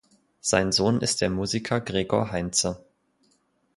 Sein Sohn ist der Musiker Gregor Heinze.